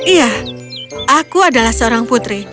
iya aku adalah seorang putri